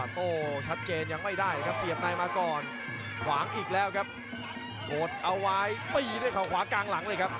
โกรธเอาไวด์ตีด้วยเขาขวากลางหลังเลยครับ